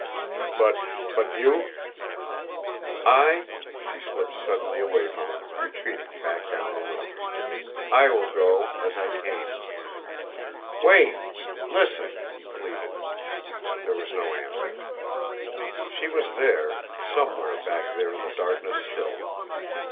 But but you?" "I?" She slipped suddenly away from him, retreating back down the room. "I will go as I came." "Wait! Listen!" he pleaded. There was no answer. She was there somewhere back there in the darkness still.